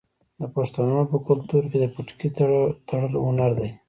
د پښتنو په کلتور کې د پټکي تړل هنر دی.